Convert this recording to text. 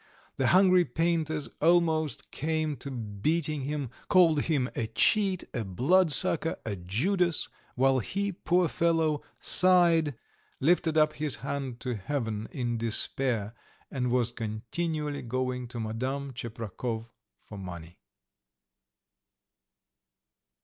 The hungry painters almost came to beating him, called him a cheat, a blood sucker, a Judas, while he, poor fellow, sighed, lifted up his hand to Heaven in despair, and was continually going to Madame Tcheprakov for money.